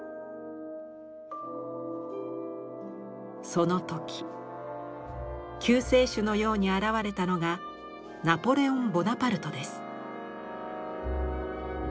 その時救世主のように現れたのがナポレオン・ボナパルトです。